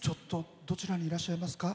どちらにいらっしゃいますか？